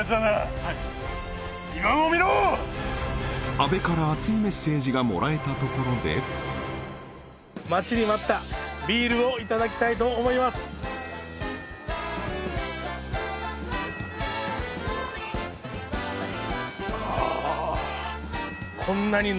阿部から熱いメッセージがもらえたところで待ちに待ったビールをいただきたいと思いますああ